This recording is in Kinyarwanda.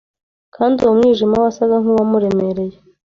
Kandi uwo mwijima wasaga nkuwamuremereye